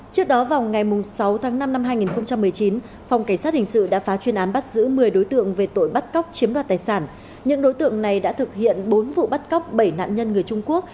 trước đó vào ngày sáu tháng năm năm hai nghìn một mươi chín phòng cảnh sát hình sự đã phá chuyên án bắt giữ một mươi đối tượng về tội bắt cóc chiếm đoạt tài sản những đối tượng này đã thực hiện bốn vụ bắt cóc bảy nạn nhân người trung quốc